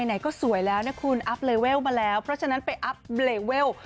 ไหนก็สวยแล้วนะคุณอัพเลเวลมาแล้วเพราะฉะนั้นไปอัพเลเวล